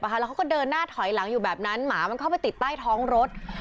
แล้วเขาก็เดินหน้าถอยหลังอยู่แบบนั้นหมามันเข้าไปติดใต้ท้องรถ